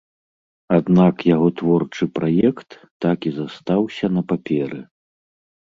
Аднак яго творчы праект так і застаўся на паперы.